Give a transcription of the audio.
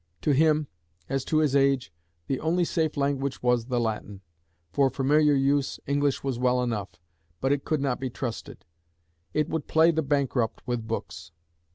To him, as to his age, the only safe language was the Latin. For familiar use English was well enough. But it could not be trusted; "it would play the bankrupt with books."